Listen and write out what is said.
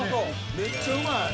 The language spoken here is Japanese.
めっちゃうまい！